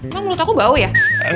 emang mulut aku bau ya